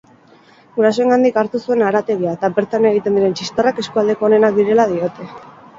Gurasoengandik hartu zuen harategia eta bertan egiten diren txistorrak eskualdeko onenak direla diote.